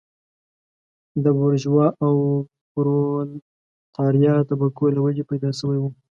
د بورژوا او پرولتاریا طبقو له وجهې پیدا شوی و.